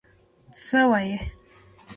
_څه وايي؟